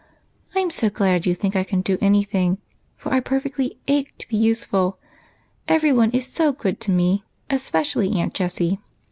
"I'm so glad you think I can do any thing, for I perfectly ache to be useful, every one is so good to me, especially Aunt Jessie."